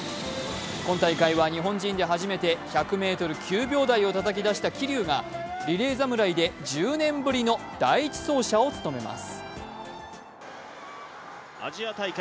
今大会は日本人で初めて１００ｍ、９秒台をたたき出した桐生がリレー侍で１０年ぶりの第１走者を務めます。